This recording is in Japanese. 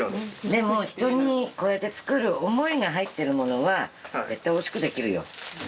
でも人にこうやって作る思いが入ってるものは絶対おいしくできるよ。